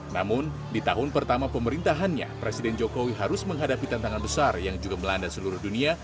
namun di tahun pertama pemerintahannya presiden jokowi harus menghadapi tantangan besar yang juga melanda seluruh dunia